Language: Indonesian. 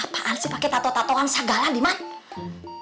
maka aku tatu tatuan segala dimana